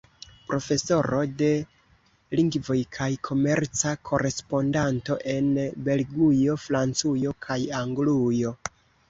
Profesoro de lingvoj kaj komerca korespondanto en Belgujo, Francujo kaj Anglujo.